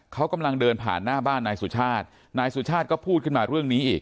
เขากำลังเดินผ่านหน้าบ้านนายสุชาตินายสุชาติก็พูดขึ้นมาเรื่องนี้อีก